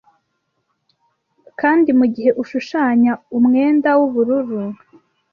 kandi mugihe ushushanya umwenda wubururu